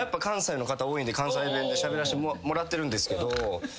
今関西の方多いんで関西弁でしゃべらせてもらってるんですけど。